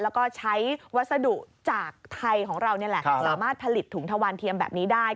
แล้วก็ใช้วัสดุจากไทยของเรานี่แหละสามารถผลิตถุงทวันเทียมแบบนี้ได้